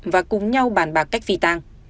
và cùng nhau bàn bạc cách phi tàng